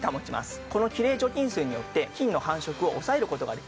このきれい除菌水によって菌の繁殖を抑える事ができます。